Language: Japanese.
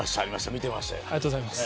ありがとうございます